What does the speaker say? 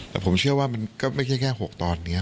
แต่ผมเชื่อว่ามันก็ไม่ใช่แค่๖ตอนนี้